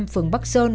phường bắc sơn